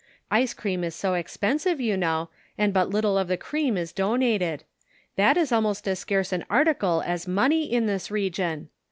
Ice cream is so expensive, you know, and but little of the cream is donated; that is almost as scarce an article as money in this region.